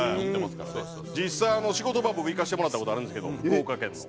実際仕事場僕行かせてもらった事あるんですけど福岡県の。